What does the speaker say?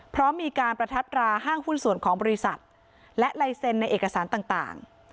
เพราะมีการประทัดราห้างหุ้นส่วนของบริษัทและลายเซ็นในเอกสารต่าง